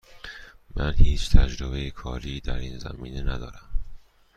من هیچ تجربه کاری در این زمینه ندارم.